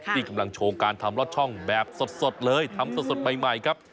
ที่กำลังโชว์การทำลอดช่องแบบสดเลยทำสดใหม่ครับ